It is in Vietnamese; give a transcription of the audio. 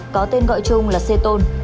có tên gọi chung là cetone